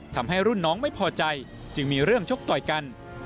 ทำให้รุ่นน้องไม่พอใจจึงมีเรื่องชกต่อยกัน